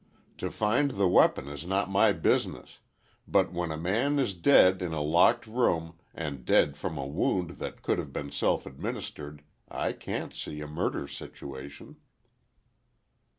"To find the weapon is not my business—but when a man is dead in a locked room, and dead from a wound that could have been self administered, I can't see a murder situation."